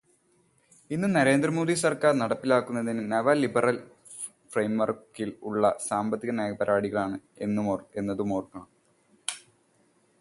ഇന്നു നരേന്ദ്ര മോഡി സർക്കാർ നടപ്പിലാക്കുന്നതും നവ-ലിബെറൽ ഫ്രെയിംവർക്കിൽ ഉള്ള സാമ്പത്തികനയപരിപാടികളാണ് എന്നതുമോർക്കണം.